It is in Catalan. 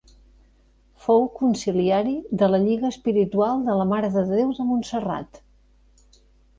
Fou consiliari de la Lliga Espiritual de la Mare de Déu de Montserrat.